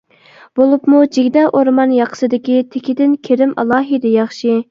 بولۇپمۇ جىگدە ئورمان ياقىسىدىكى تىكىدىن كىرىم ئالاھىدە ياخشى.